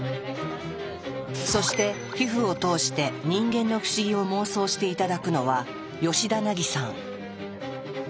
そして皮膚を通して人間の不思議を妄想して頂くのはヨシダナギさん。